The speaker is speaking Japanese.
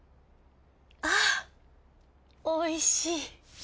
あおいしい。